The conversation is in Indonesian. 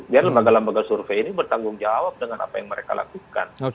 biar lembaga lembaga survei ini bertanggung jawab dengan apa yang mereka lakukan